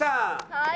はい。